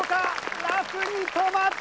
ラフに止まった。